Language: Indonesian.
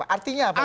artinya apa pak